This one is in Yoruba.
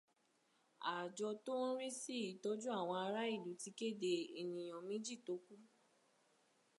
Àjọ tó ń rísí ìtọ́jú àwọn ará ìlú ti kéde ènìyàn méji tó kú.